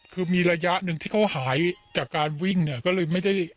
คือมีระยะหนึ่งที่เขาหายจากการวิ่งเนี่ยก็เลยไม่ได้